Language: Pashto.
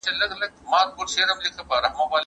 الله دې موږ ته هدایت وکړي.